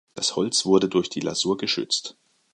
Das Holz wurde durch die Lasur geschützt.